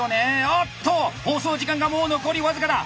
おっと放送時間がもう残り僅かだ。